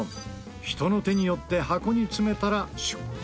人の手によって箱に詰めたら出荷。